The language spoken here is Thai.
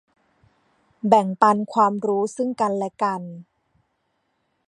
แบ่งปันความรู้ซึ่งกันและกัน